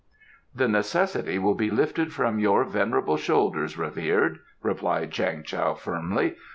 "The necessity will be lifted from your venerable shoulders, revered," replied Chang Tao firmly.